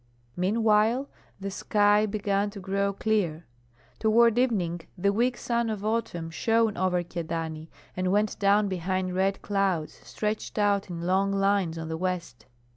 Meanwhile the sky began to grow clear; toward evening the weak sun of autumn shone over Kyedani and went down behind red clouds, stretched out in long lines on the west.